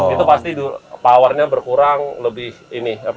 itu pasti powernya berkurang lebih ini